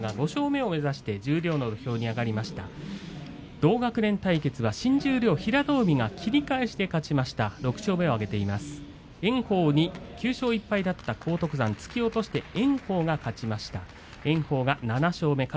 同学年対決は新十両平戸海が切り返しで北の若に勝ちました。